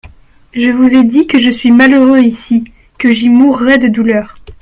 Je vous ai dit que je suis malheureux ici, que j'y mourrais de douleur.